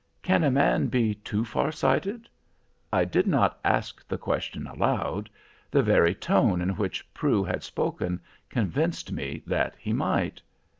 Can a man be too far sighted? I did not ask the question aloud. The very tone in which Prue had spoken convinced me that he might.